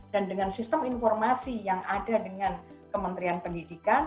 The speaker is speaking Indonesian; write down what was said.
dan dengan sistem informasi yang ada dengan kementerian pendidikan